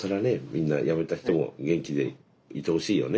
みんな辞めた人も元気でいてほしいよね